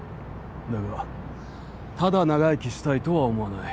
だがただ長生きしたいとは思わない。